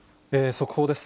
速報です。